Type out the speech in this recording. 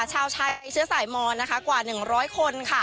ชาวใช้เชื้อสายมอนกว่า๑๐๐คนค่ะ